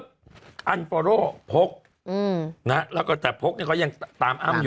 คุณภูมิแต่มีความให้รวมที่ใช้อย่างง่าย